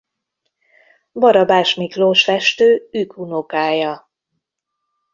Barabás Miklós festő ükunokája.